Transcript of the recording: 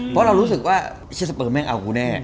เพราะเรารู้สึกว่าเชสเปอร์แม่งเอากูแน่